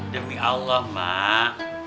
demi allah mak